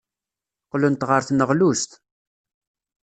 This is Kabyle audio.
Qqlent ɣer tneɣlust.